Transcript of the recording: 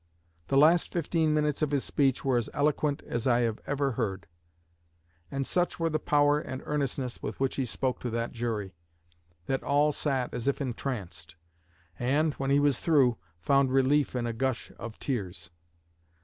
The last fifteen minutes of his speech were as eloquent as I ever heard; and such were the power and earnestness with which he spoke to that jury, that all sat as if entranced, and, when he was through, found relief in a gush of tears."